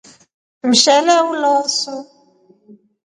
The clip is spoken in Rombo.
Mshele ulosu.